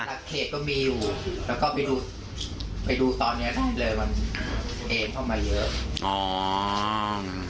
รักษ์เขตก็มีอยู่แล้วก็ไปดูตอนนี้เลยมันเอ็งเข้ามาเยอะ